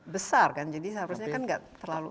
besar kan jadi seharusnya kan nggak terlalu